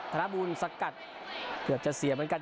ธนบูลสกัดเกือบจะเสียเหมือนกัน